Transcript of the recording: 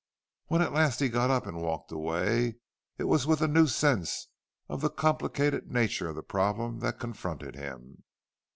When at last he got up and walked away, it was with a new sense of the complicated nature of the problem that confronted him.